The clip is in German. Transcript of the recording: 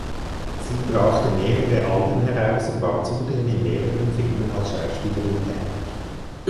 Sie brachte mehrere Alben heraus und war zudem in mehreren Filmen als Schauspielerin tätig.